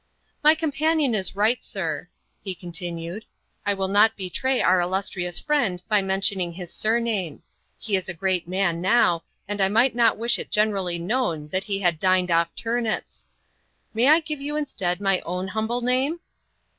"My companion is right, sir," he continued. "I will not betray our illustrious friend by mentioning his surname; he is a great man now, and might not wish it generally known that he had dined off turnips. May I give you instead my own humble name?"